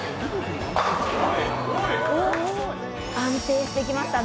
安定してきましたね。